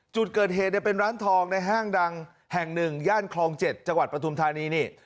จุดเกิดเหตุเป็นร้านทองในห้างดังแห่ง๑ย่านคลอง๗จังหวัดปฐุมธานีนี่